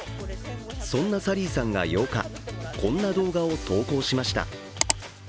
そんなサリーさんが８日、こんな動画を投稿しました。